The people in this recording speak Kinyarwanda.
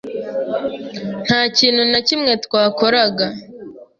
Nta kintu na kimwe twakoraga.